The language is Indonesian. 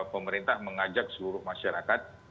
pemerintah mengajak seluruh masyarakat